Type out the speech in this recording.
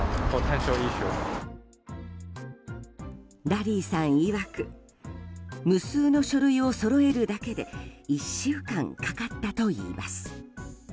ラリーさんいわく無数の書類をそろえるだけで１週間かかったといいます。